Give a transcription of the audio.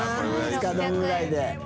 二日丼ぐらいで。